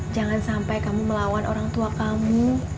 jangan sampai kamu melawan orang tua kamu